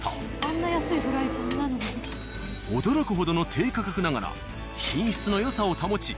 驚くほどの低価格ながら品質のよさを保ち